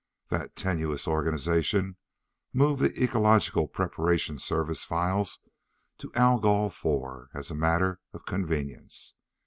That tenuous organization moved the Ecological Preparation Service files to Algol IV as a matter of convenience.